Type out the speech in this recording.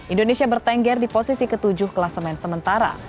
indonesia bertengger di posisi ke tujuh kelas men sementara